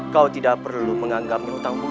kau tidak perlu menganggapnya utang buku